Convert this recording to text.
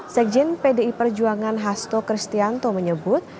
sekjen pdi perjuangan hasto kristianto menyebut